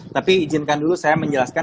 tapi izinkan dulu saya menjelaskan